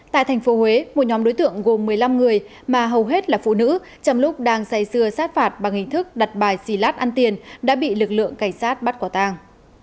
tại thành phố huế một nhóm đối tượng gồm một mươi năm người mà hầu hết là phụ nữ trong lúc đang say xưa sát phạt bằng hình thức đặt bài xì lát ăn tiền đã bị lực lượng cảnh sát bắt quả tàng